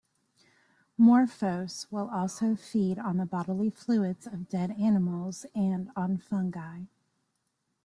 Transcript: "Morpho"s will also feed on the bodily fluids of dead animals and on fungi.